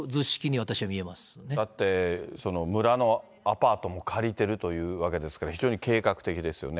だって、村のアパートも借りてるというわけですから、非常に計画的ですよね。